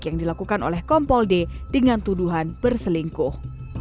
yang dilakukan oleh kompol d dengan tuduhan berselingkuh